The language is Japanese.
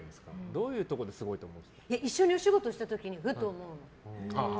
どういうところで一緒にお仕事した時にふと思うの。